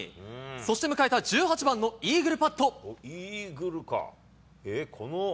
そして迎えた１８番のイーグルパット。